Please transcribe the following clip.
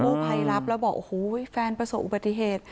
ผู้ภัยรับแล้วบอกโอ้โหแฟนประสบอุบัติเหตุ